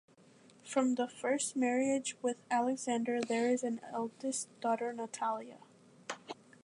From the first marriage with Alexander there is an eldest daughter Natalia.